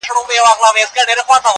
o مخته چي دښمن راسي تېره نه وي.